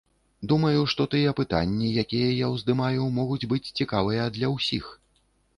Думаю, што тыя пытанні, якія я ўздымаю, могуць быць цікавыя для ўсіх.